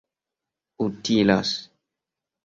utilas